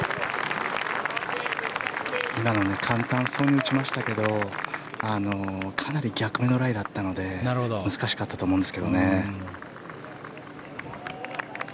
今の簡単そうに打ちましたけどかなり逆目のライだったので難しかったと思うんですけどね。